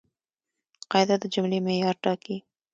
قاعده د جملې معیار ټاکي.